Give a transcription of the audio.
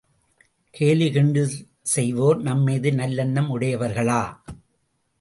கேலி, கிண்டல் செய்வோர் நம்மீது நல்லெண்ணம் உடையவர்களா?